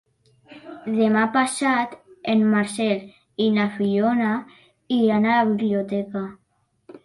Demà passat en Marcel i na Fiona iran a la biblioteca.